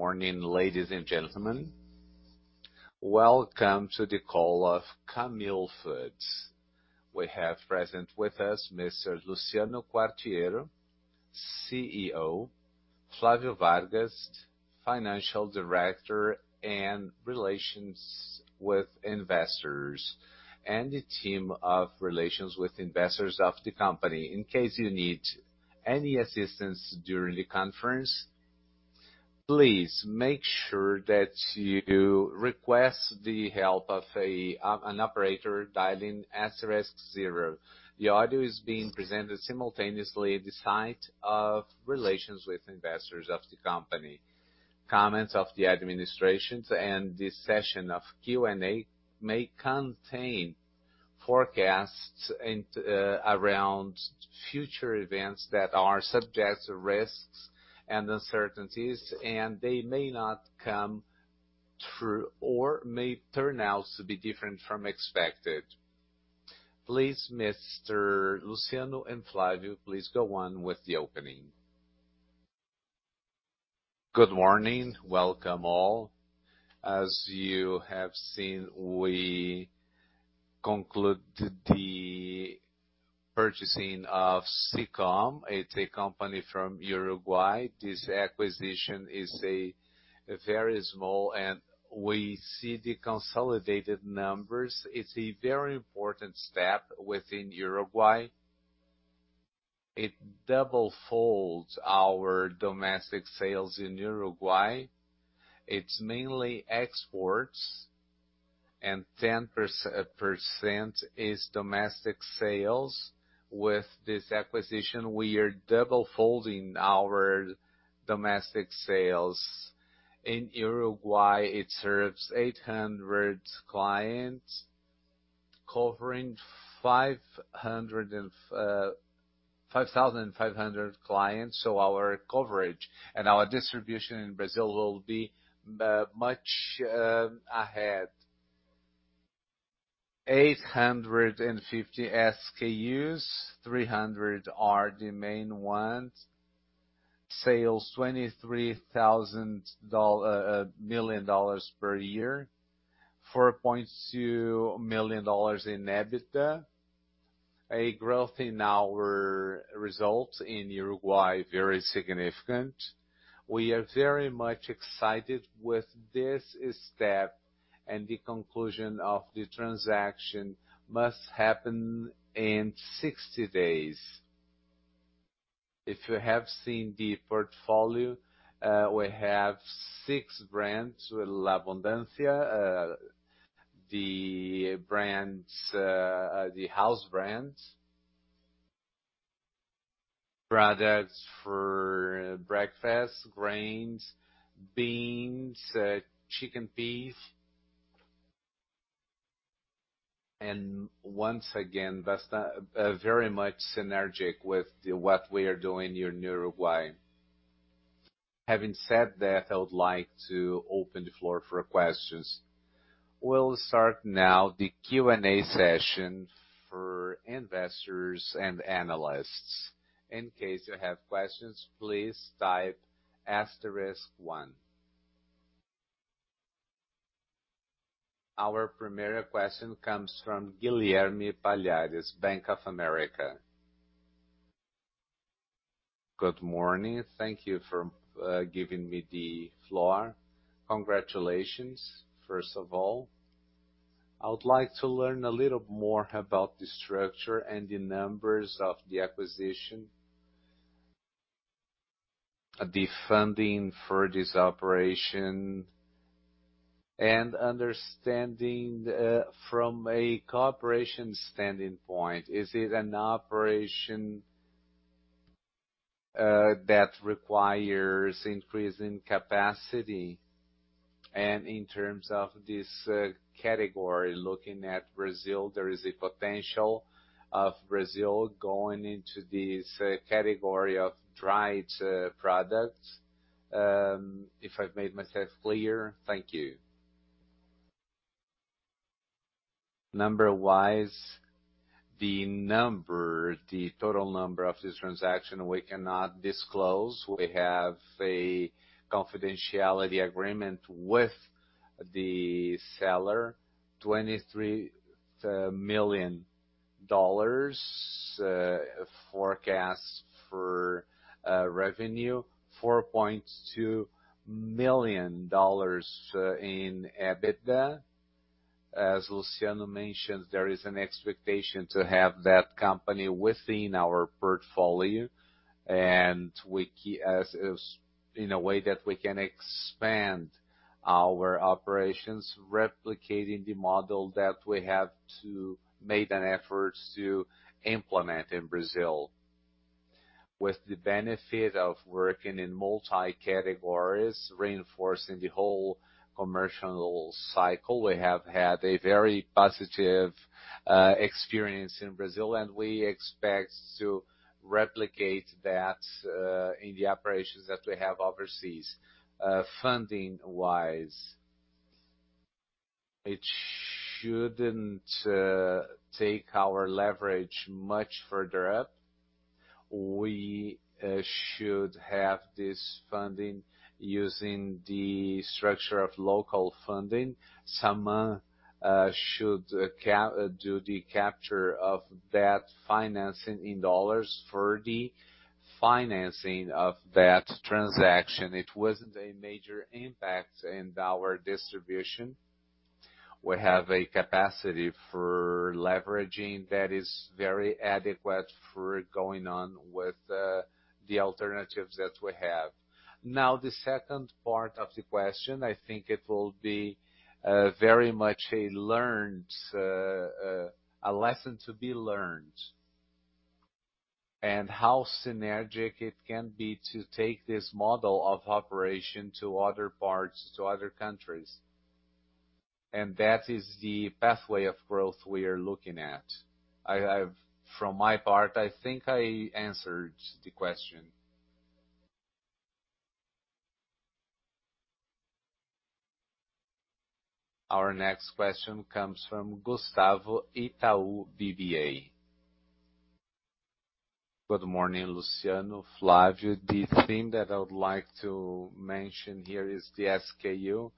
Good morning, ladies and gentlemen. Welcome to the call of Camil Alimentos. We have present with us Mr. Luciano Quartiero, CEO, Flavio Vargas, Financial Director and Relations with Investors, and the team of relations with investors of the company. In case you need any assistance during the conference, please make sure that you request the help of an operator dialing asterisk zero. The audio is being presented simultaneously at the site of relations with investors of the company. Comments of the administration and this session of Q&A may contain forecasts and about future events that are subject to risks and uncertainties, and they may not come true or may turn out to be different from expected. Please, Mr. Luciano and Flavio, please go on with the opening. Good morning. Welcome all. As you have seen, we concluded the purchase of Silcom. It's a company from Uruguay. This acquisition is a very small, and we see the consolidated numbers. It's a very important step within Uruguay. It double-folds our domestic sales in Uruguay. It's mainly exports and 10% is domestic sales. With this acquisition, we are double-folding our domestic sales. In Uruguay, it serves 800 clients, covering 500 and 5,500 clients, so our coverage and our distribution in Uruguay will be much ahead. 850 SKUs, 300 are the main ones. Sales, $23 million per year. $4.2 million in EBITDA. A growth in our results in Uruguay, very significant. We are very much excited with this step, and the conclusion of the transaction must happen in 60 days. If you have seen the portfolio, we have six brands with La Abundancia, the brands, the house brands. Products for breakfast, grains, beans, chicken, peas. Once again, that's very much synergistic with what we are doing here in Uruguay. Having said that, I would like to open the floor for questions. We'll now start the Q&A session for investors and analysts. Our first question comes from Guilherme Palhares, Bank of America Good morning. Thank you for giving me the floor. Congratulations, first of all. I would like to learn a little more about the structure and the numbers of the acquisition. The funding for this operation and understanding from a capex standpoint, is it an operation that requires increase in capacity? In terms of this category, looking at Brazil, there is a potential of Brazil going into this category of dried products. If I've made myself clear. Thank you. Number-wise, the total number of this transaction we cannot disclose. We have a confidentiality agreement with the seller. $23 million forecast for revenue. $4.2 million in EBITDA. As Luciano mentioned, there is an expectation to have that company within our portfolio, and in a way that we can expand our operations, replicating the model that we have to make an effort to implement in Brazil. With the benefit of working in multi categories, reinforcing the whole commercial cycle, we have had a very positive experience in Brazil, and we expect to replicate that in the operations that we have overseas. Funding-wise, it shouldn't take our leverage much further up. We should have this funding using the structure of local funding. Saman should do the capture of that financing in dollars for the financing of that transaction. It wasn't a major impact in our distribution. We have a capacity for leveraging that is very adequate for going on with the alternatives that we have. Now, the second part of the question, I think it will be very much a lesson to be learned, and how synergistic it can be to take this model of operation to other parts, to other countries. That is the pathway of growth we are looking at. From my part, I think I answered the question. Our next question comes from Gustavo, Itaú BBA. Good morning, Luciano, Flavio. The thing that I would like to mention here is the SKU,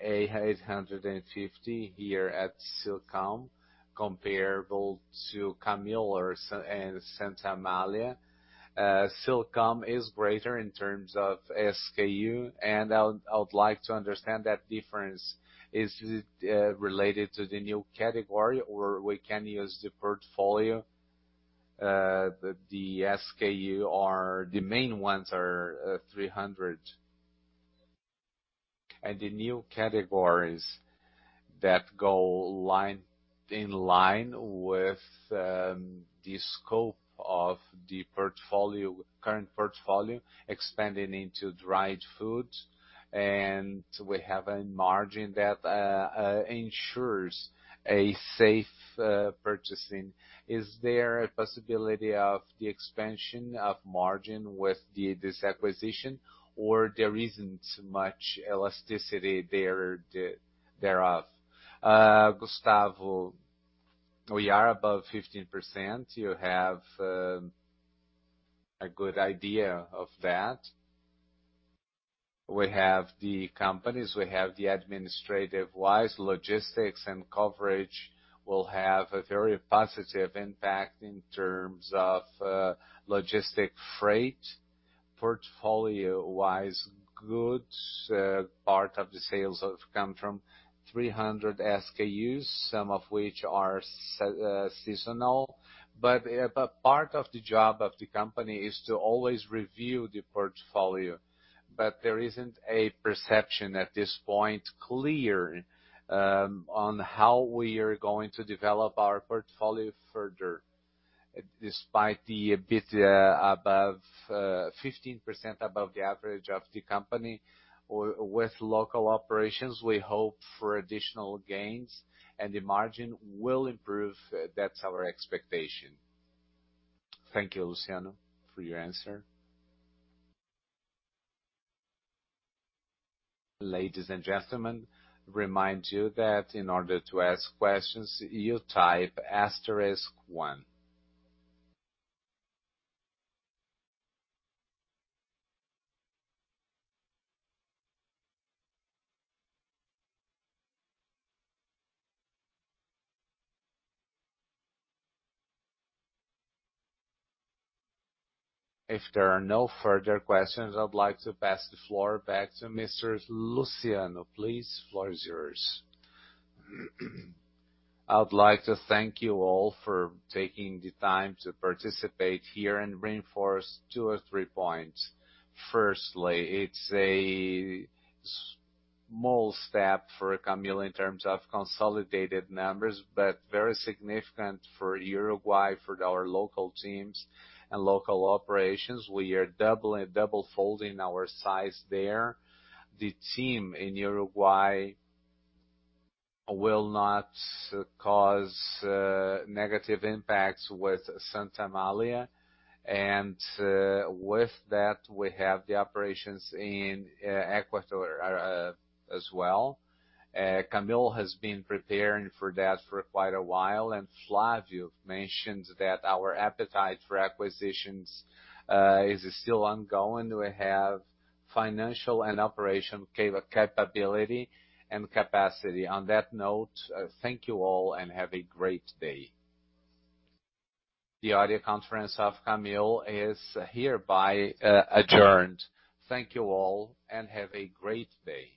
850 here at Silcom, comparable to Camil or Saman and Santa Amália. Silcom is greater in terms of SKU, and I would like to understand that difference. Is it related to the new category, or we can use the portfolio? The main ones are 300. The new categories in line with the scope of the portfolio, current portfolio expanding into dried foods. We have a margin that ensures a safe purchasing. Is there a possibility of the expansion of margin with this acquisition or there isn't much elasticity thereof? Gustavo, we are above 15%. You have a good idea of that. We have the companies, we have the administrative-wise logistics and coverage will have a very positive impact in terms of, logistic freight. Portfolio-wise, goods, part of the sales have come from 300 SKUs, some of which are seasonal. Part of the job of the company is to always review the portfolio. There isn't a perception at this point clear, on how we are going to develop our portfolio further. Despite the bit above, 15% above the average of the company or with local operations, we hope for additional gains and the margin will improve. That's our expectation. Thank you, Luciano, for your answer. Ladies and gentlemen, remind you that in order to ask questions, you type asterisk one. If there are no further questions, I'd like to pass the floor back to Mr. Luciano. Please, floor is yours. I would like to thank you all for taking the time to participate here and reinforce two or three points. Firstly, it's a small step for Camil in terms of consolidated numbers, but very significant for Uruguay, for our local teams and local operations. We are doubling our size there. The team in Uruguay will not cause negative impacts with Santa Amália. With that, we have the operations in Ecuador as well. Camil has been preparing for that for quite a while, and Flavio mentioned that our appetite for acquisitions is still ongoing. We have financial and operational capability and capacity. On that note, thank you all and have a great day. The audio conference of Camil is hereby adjourned. Thank you all and have a great day.